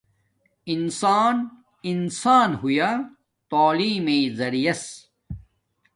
انسان انسان ہویا تعلیم مݵݵ زریعس